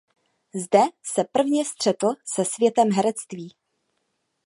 Zde se prvně střetl se světem herectví.